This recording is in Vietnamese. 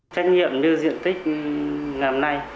trách nhiệm như diện tích ngầm này